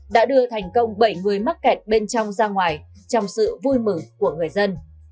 đã đưa thành công bảy người mắc kẹt bên trong ra ngoài trong sự vui mừng của người dân